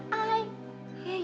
diapain sama ayah